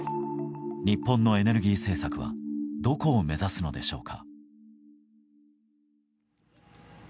日本のエネルギー政策はどこを目指すのでしょうか。